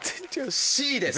Ｃです。